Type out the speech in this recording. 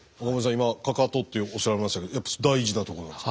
今かかとっておっしゃいましたけどやっぱ大事なとこなんですか？